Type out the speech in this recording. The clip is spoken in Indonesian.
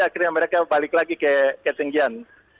akhirnya mereka balik lagi ke ketinggian